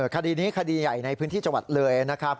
คดีนี้คดีใหญ่ในพื้นที่จังหวัดเลยนะครับ